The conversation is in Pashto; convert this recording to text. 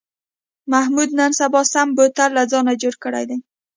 محمود نن سبا سم بوتل له ځانه جوړ کړی دی.